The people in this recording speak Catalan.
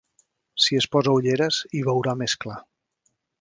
Si es posa ulleres hi veurà més clar.